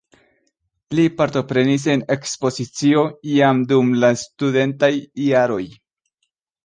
Li partoprenis en ekspozicio jam dum la studentaj jaroj.